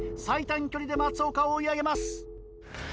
最短距離で松岡を追い上げます。